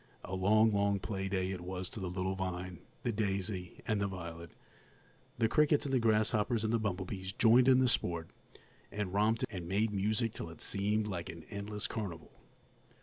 A long, long play day it was to the little vine, the daisy, and the violet. The crickets and the grasshoppers and the bumblebees joined in the sport, and romped and made music till it seemed like an endless carnival.